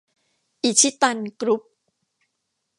อิชิตัน กรุ๊ป